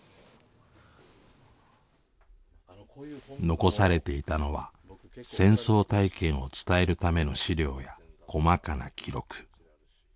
遺されていたのは戦争体験を伝えるための資料や細かな記録。